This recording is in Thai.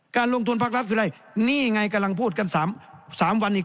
การลงทุนภาครัฐคืออะไรนี่ไงกำลังพูดกัน๓วันอีก